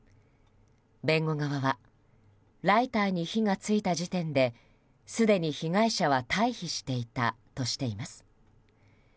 弁護側はライターに火が付いた時点ですでに被害者は退避していたとしています。